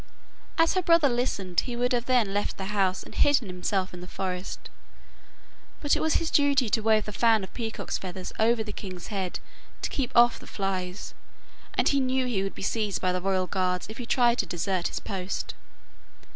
As her brother listened, he would fain have left the house and hidden himself in the forest, but it was his duty to wave the fan of peacock's feathers over the king's head to keep off the flies, and he knew he would be seized by the royal guards if he tried to desert his post.